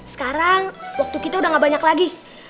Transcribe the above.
sekarang waktu kita udah gak banyak lagi